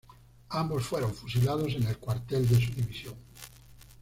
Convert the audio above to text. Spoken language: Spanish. Ambos fueron fusilados en el cuartel de su división.